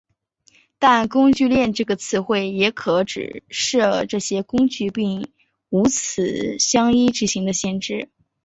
但工具链这个词汇也可指涉这些工具并无此相依执行的限制。